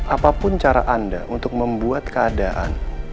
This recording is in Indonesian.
apapun cara anda untuk membuat keadaan